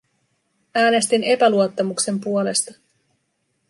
Äänestin epäluottamuksen puolesta.